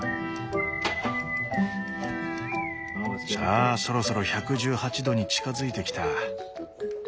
さあそろそろ１１８度に近づいてきた。